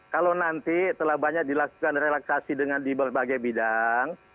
kalau nanti telah banyak dilakukan relaksasi dengan di berbagai bidang